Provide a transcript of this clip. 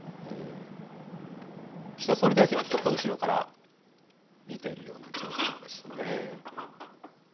岸田総理大臣はちょっと後ろから見ているような状況ですね。